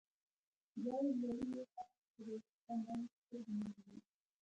دواړو لړیو هغې ته د طمعې سترګې نیولي وې.